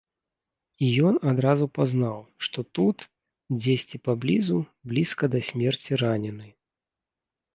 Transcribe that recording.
І ён адразу пазнаў, што тут, дзесьці паблізу, блізка да смерці ранены.